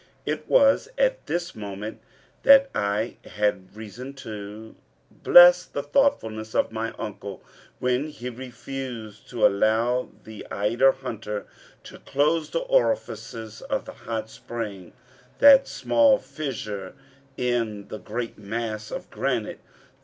It was at this moment that I had reason to bless the thoughtfulness of my uncle, when he refused to allow the eider hunter to close the orifices of the hot spring that small fissure in the great mass of granite.